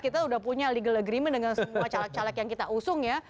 kita sudah punya legal agreement dengan semua caleg caleg yang kita usung ya